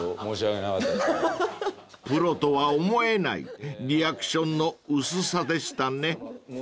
［プロとは思えないリアクションの薄さでしたね］